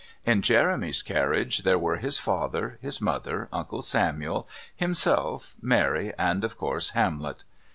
In Jeremy's carriage there were his father, his mother, Uncle Samuel, himself, Mary, and, of course, Hamlet.